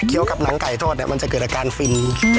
เคี้ยวกับหนังไก่ทอดเนี่ยมันจะเกิดอาการฟิน